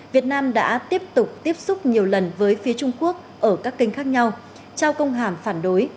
việt nam đã tiếp tục tiếp xúc nhiều lần với phía trung quốc ở các kênh khác nhau trao công hàm phản đối